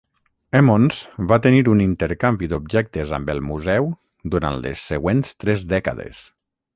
Emmons va tenir un intercanvi d'objectes amb el Museu durant les següents tres dècades.